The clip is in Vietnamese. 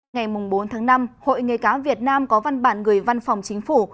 ngày bốn tháng năm hội nghề cá việt nam có văn bản gửi văn phòng chính phủ